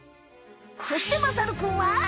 そしてまさるくんは？